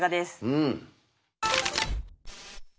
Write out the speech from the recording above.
うん。